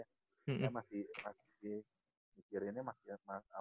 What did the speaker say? saya masih masih berpikirnya gitu ya